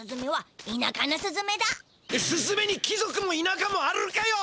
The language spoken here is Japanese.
スズメに貴族も田舎もあるのかよ。